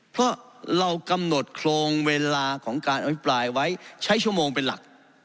เพราะเรากำหนดโครงเวลาของการอภิปรายไว้ใช้ชั่วโมงเป็นหลัก